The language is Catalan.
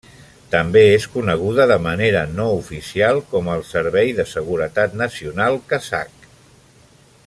També és coneguda de manera no oficial com al Servei de Seguretat Nacional Kazakh.